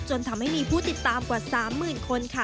จนทำให้มีผู้ติดตามกว่า๓๐๐๐คนค่ะ